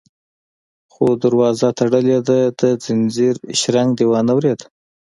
_خو دروازه تړلې ده، د ځنځير شرنګ دې وانه ورېد؟